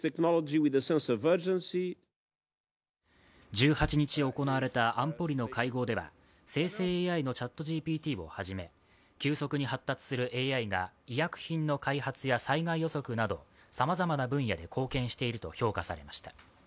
１８日行われた安保理の会合では、生成ＡＩのＣｈａｔＧＰＴをはじめ、急速に発達するＡＩが医薬品の開発や災害予測などさまざまな分野で貢献していると評価されました。